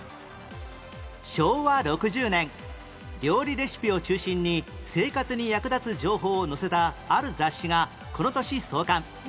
昭和６０年料理レシピを中心に生活に役立つ情報を載せたある雑誌がこの年創刊